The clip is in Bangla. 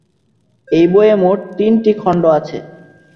এই বইয়ে মোট তিনটি খণ্ড আছে।